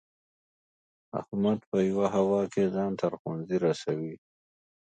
احمد په یوه هوا کې ځان تر ښوونځي رسوي.